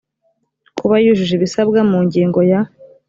kuba yujuje ibisabwa mu ngingo ya